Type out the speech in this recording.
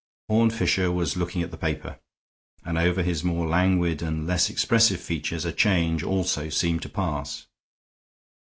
Horne Fisher was looking at the paper, and over his more languid and less expressive features a change also seemed to pass.